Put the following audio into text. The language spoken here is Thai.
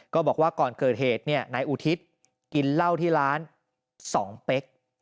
บอกว่าก่อนเกิดเหตุนายอุทิศกินเหล้าที่ร้าน๒เป๊ก